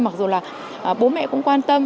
mặc dù là bố mẹ cũng quan tâm